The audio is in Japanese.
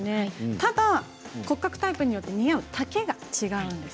ただ骨格タイプによって似合う丈が違うんです。